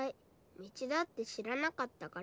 道だって知らなかったから。